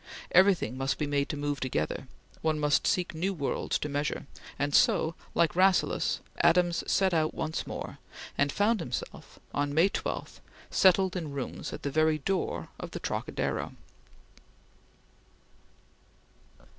Everything must be made to move together; one must seek new worlds to measure; and so, like Rasselas, Adams set out once more, and found himself on May 12 settled in rooms at the very door of the Trocadero.